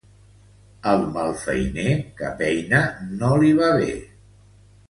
Al malfeiner cap eina no li va bé.